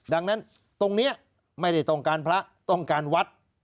ดังนั้นตรงนี้ไม่ได้ต้องการพระต้องการวัด